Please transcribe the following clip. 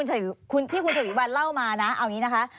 เอาอย่างนี้ที่คุณฉวีวันเล่ามานะเอาอย่างนี้นะคะ